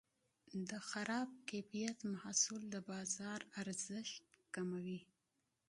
د خراب کیفیت محصول د بازار ارزښت کموي.